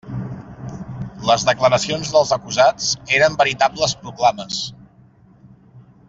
Les declaracions dels acusats eren veritables proclames.